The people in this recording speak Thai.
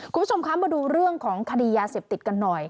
คุณผู้ชมคะมาดูเรื่องของคดียาเสพติดกันหน่อย